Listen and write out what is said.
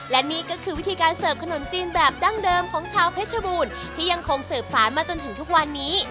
และนี่ก็คือวิธีการเสิร์ฟขนมจีนแบบดั้งเดิมของชาวเพชรบูรณ์ที่ยังคงสืบสารมาจนถึงทุกวันนี้